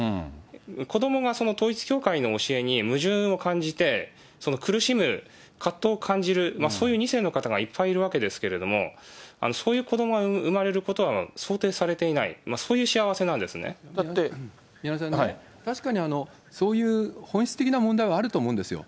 子どもが統一教会の教えに矛盾を感じて、苦しむ、葛藤を感じる、そういう２世の方がいっぱいいるわけですけれども、そういう子どもが生まれることは想定されていない、だって、宮根さんね、確かにそういう本質的な問題はあると思うんですよ。